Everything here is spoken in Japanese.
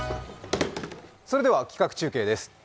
それでは企画中継です。